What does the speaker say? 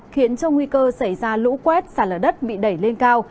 khiến cho nguy cơ xảy ra lũ quét xả lở đất bị đẩy lên cao